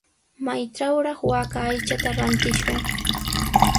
¿Maytrawraq waaka aychata rantishwan?